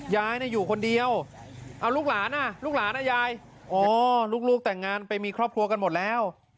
ยายอยู่คนเดียวเอาลูกหลานอ่ะลูกหลานอ่ะยายอ๋อลูกแต่งงานไปมีครอบครัวกันหมดแล้ว